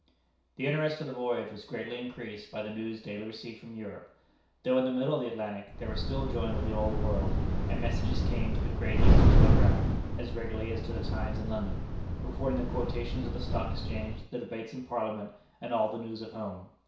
The interest of the voyage was greatly increased by the news daily received from Europe. Though in the middle of the Atlantic, they were still joined with the Old World, and messages came to the "Great Eastern Telegraph" as regularly as to the Times in London; reporting the quotations of the Stock Exchange, the debates in Parliament, and all the news of home.